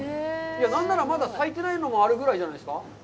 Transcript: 何なら、まだ咲いてないのもあるぐらいじゃないですか。